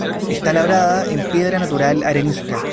Está labrada en piedra natural arenisca.